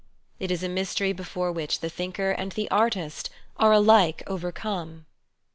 It is a mystery before which the thinker and the artist are alike overcome.